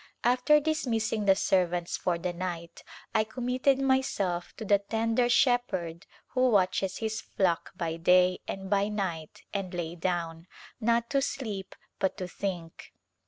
After dismissing the servants for the night I commit ted myself to the tender Shepherd who watches His flock by day and by night and lay down, not to sleep but to think.